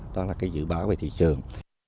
đó là dự báo về thị trường